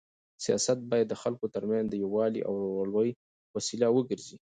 سیاست باید د خلکو تر منځ د یووالي او ورورولۍ وسیله وګرځي.